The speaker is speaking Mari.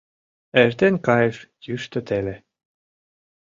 Эртен кайыш йӱштӧ теле